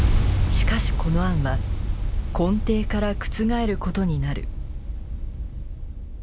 しかしこの案は根底から覆ることになる。